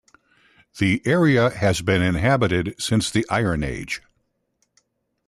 The area has been inhabited since the Iron Age.